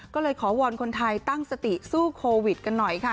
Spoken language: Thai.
ก็เลยขอวอนคนไทยตั้งสติสู้โควิดกันหน่อยค่ะ